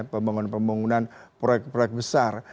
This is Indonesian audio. pembangunan pembangunan proyek proyek besar